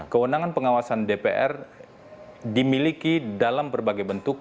kewenangan pengawasan dpr dimiliki dalam berbagai bentuk